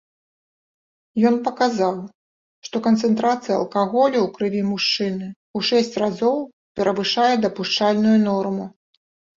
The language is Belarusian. Ён паказаў, што канцэнтрацыя алкаголю ў крыві мужчыны ў шэсць разоў перавышае дапушчальную норму.